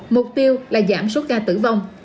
mục tiêu là giảm số ca tử vong